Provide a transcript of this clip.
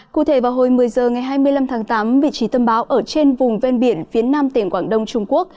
cụ thể vào hồi một mươi h ngày hai mươi năm tháng tám vị trí tâm bão ở trên vùng ven biển phía nam tỉnh quảng đông trung quốc